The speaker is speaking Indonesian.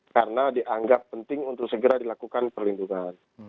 karena dianggap penting untuk segera dilakukan perlindungan